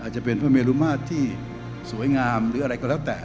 จะเป็นพระเมรุมาตรที่สวยงามหรืออะไรก็แล้วแต่